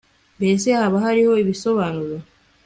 mbese haba hariho ibisobanuro